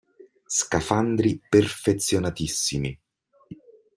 Scafandri perfezionatissimi.